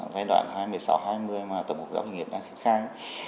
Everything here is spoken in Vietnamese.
giai đoạn hai nghìn một mươi sáu hai nghìn hai mươi mà tổng hợp giáo dục nghiệp đang khuyến khai